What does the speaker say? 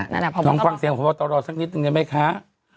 น้องฟังเสียงขอว่าต้องรอสักนิดนึงไหมคะ